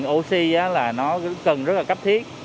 oxy đó là nó cần rất là cấp thiết